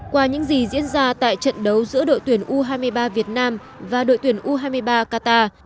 qua những gì diễn ra tại trận đấu giữa đội tuyển u hai mươi ba việt nam và đội tuyển u hai mươi ba qatar